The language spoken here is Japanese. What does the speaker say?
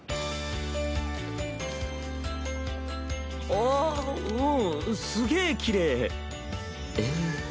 ああうんすげぇきれい。